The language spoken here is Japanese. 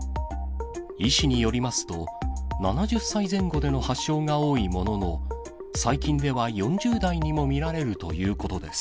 医師によりますと、７０歳前後での発症が多いものの、最近では４０代にも見られるということです。